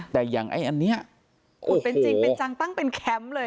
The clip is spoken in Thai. แต่อย่างไอ้อันนี้ขุดเป็นจริงเป็นจังตั้งเป็นแคมป์เลย